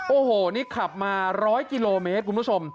โอ้โหนี่ขับมา๑๐๐กิโลเมตรคุณผู้ชม